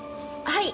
はい。